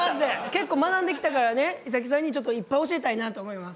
結構学んできたからね衣咲さんにちょっといっぱい教えたいなと思います。